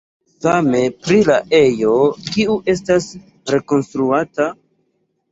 Same pri la ejo, kiu estas rekonstruata.